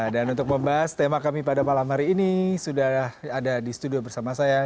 untuk membahas tema kami pada malam hari ini sudah ada di studio bersama saya